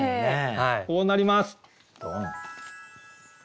こうなります。